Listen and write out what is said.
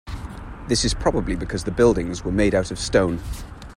This is probably because the buildings were made out of stone.